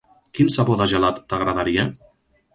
Quin sabor de gelat t'agradaria?